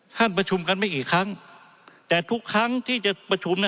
ท่านประชุมกันไม่กี่ครั้งแต่ทุกครั้งที่จะประชุมนะ